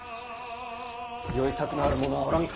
よい策のある者はおらぬか。